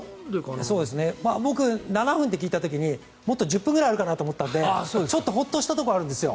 僕、７分って聞いた時にもっと１０分くらいあるかなと思ったのでちょっとホッとしたところはあるんですよ。